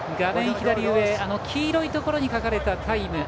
左上黄色いところに書かれたタイム